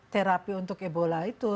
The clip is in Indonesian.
terapi untuk ebola itu